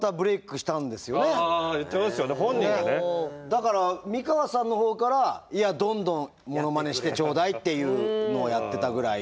だから美川さんの方からいやどんどんモノマネしてちょうだいっていうのをやってたぐらい。